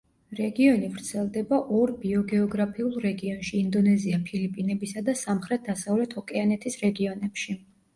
რეგიონი ვრცელდება ორ ბიოგეოგრაფიულ რეგიონში: ინდონეზია–ფილიპინებისა და სამხრეთ დასავლეთ ოკეანეთის რეგიონებში.